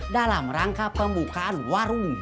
dalam rangka pembukaan warung